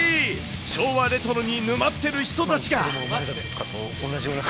昭和レトロに沼っている人たちが。